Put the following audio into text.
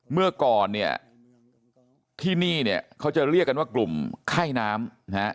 เมื่อก่อนเนี่ยที่นี่เนี่ยเขาจะเรียกกันว่ากลุ่มไข้น้ำนะฮะ